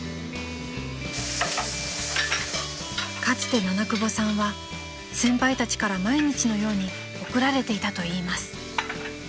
［かつて七久保さんは先輩たちから毎日のように怒られていたといいます］